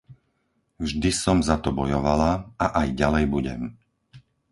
Vždy som za to bojovala a aj ďalej budem!